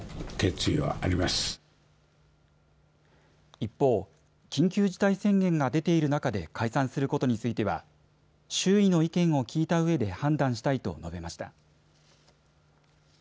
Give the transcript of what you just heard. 一方、緊急事態宣言が出ている中で解散することについては周囲の意見を聴いたうえで判断したいと述べました。